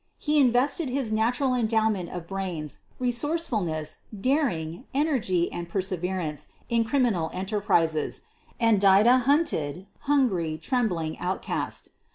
He invested his natural endowment of brains, resourcefulness, dar ing, energy, and perseverance in criminal enter prises — and died a hunted, hungry, trembling out ?ast.